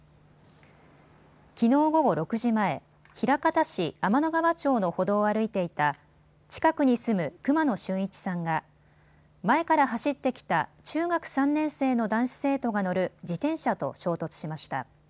きのう午後６時前、枚方市天之川町の歩道を歩いていた近くに住む熊野俊一さんが前から走ってきた中学３年生の男子生徒が乗る自転車と衝突しました。